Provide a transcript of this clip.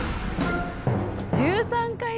１３回目！